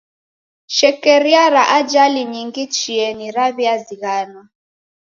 Shekeria ra ajali nyingi chienyi raw'iazighanwa.